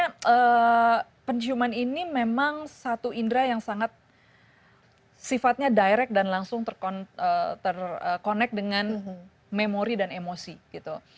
jadi sebenarnya penciuman ini memang satu indra yang sangat sifatnya direct dan langsung terconnect dengan memori dan emosi gitu